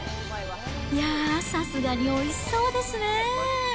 いやー、さすがにおいしそうですね。